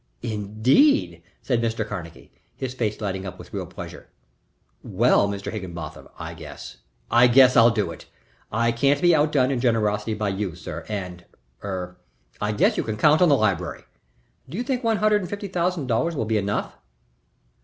"Indeed!" said Mr. Carnegie, his face lighting up with real pleasure. "Well, Mr. Higginbotham, I guess I guess I'll do it. I can't be outdone in generosity by you, sir, and er I guess you can count on the library. Do you think one hundred and fifty thousand dollars will be enough?"